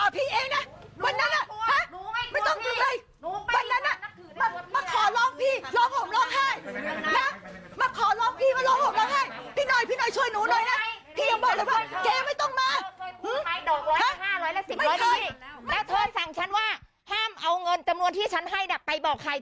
แล้วเธอสั่งฉันว่าห้ามเอาเงินจำนวนที่ฉันให้ไปบอกใคร